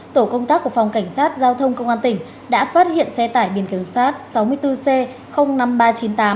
tổ công tác của phòng cảnh sát giao thông công an tỉnh đã phát hiện xe tải biển kiểm soát sáu mươi bốn c năm nghìn ba trăm chín mươi tám